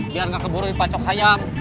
biar gak keburu di pacok sayam